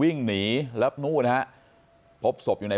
วิ่งหนีแล้วนู่นฮะพบศพอยู่ใน